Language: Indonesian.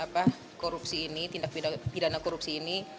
korupsi ini tindak pidana korupsi ini